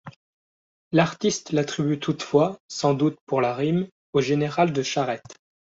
L'artiste l'attribue toutefois, sans doute pour la rime, au général de Charette.